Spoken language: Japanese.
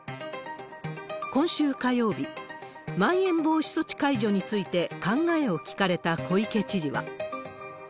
今週火曜日、まん延防止措置解除について考えを聞かれた小池知事は。